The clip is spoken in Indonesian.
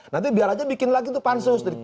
nanti biar aja bikin lagi tuh pansus